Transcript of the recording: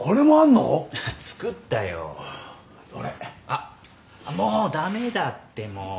あっもうダメだってもう。